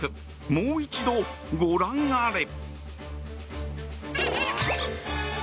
もう一度、ご覧あれ。